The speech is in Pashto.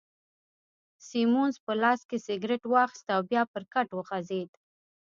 سیمونز په لاس کي سګرېټ واخیست او بیا پر کټ وغځېد.